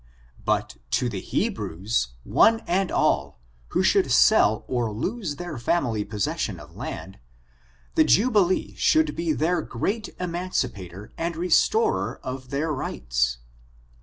But to the Hebrews, one and all, who should sell or lose their &mily possession of land, the jubilee should be their great emancipator and restorer of their rights.